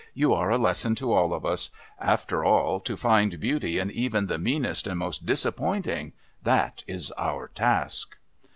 You are a lesson to all of us. After all, to find Beauty in even the meanest and most disappointing, that is our task!"